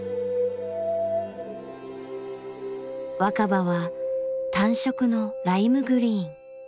若葉は単色のライムグリーン。